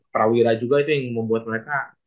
prawira juga itu yang membuat mereka